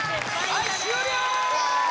はい終了！